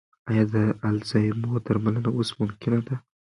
ایا د الزایمر درملنه اوس ممکنه ده؟